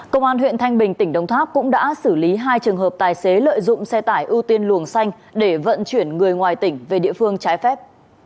công an huyện thanh bình tỉnh đồng tháp cũng đã xử lý hai trường hợp tài xế lợi dụng xe tải ưu tiên luồng xanh để vận chuyển người ngoài tỉnh về địa phương trái phép